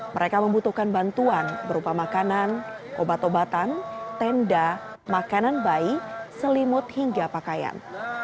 mereka membutuhkan bantuan berupa makanan obat obatan tenda makanan bayi selimut hingga pakaian